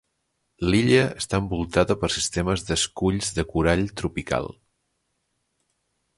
L'illa està envoltada per sistemes d'esculls de corall tropical.